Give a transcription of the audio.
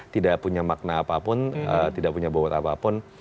tidak punya makna apapun tidak punya bobot apapun